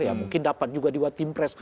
ya mungkin dapat juga dua timpres